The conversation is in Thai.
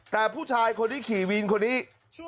แต่ผู้ชายคนที่ขี่วินคนนี้